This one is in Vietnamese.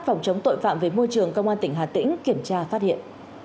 phòng chống tội phạm về môi trường công an tỉnh hà tĩnh kiểm tra phát hiện